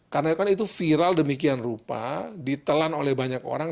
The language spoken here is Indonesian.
karena itu viral demikian rupa ditelan oleh banyak orang